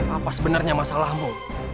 apa sebenarnya masalahmu